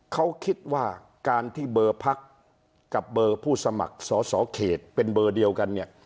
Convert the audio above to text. เขาคิดว่าการที่เบอร์พักกับเบอร์ผู้สมัครสอสอเขตเป็นเบอร์เดียวกันเนี่ย